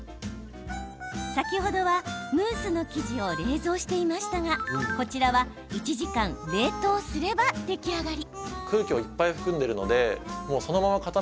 先ほどは、ムースの生地を冷蔵していましたがこちらは１時間冷凍すれば出来上がり。